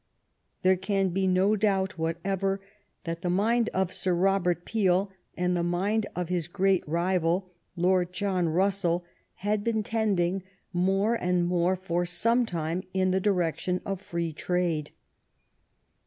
There can be no doubt whatever that the mind of Sir Robert Peel, and the mind of his great rival, Lord John Russell, had been tending more and more for some time in the direction of free trade.